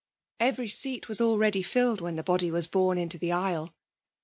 [Every seat was already filled, when the body was borne into the aisle.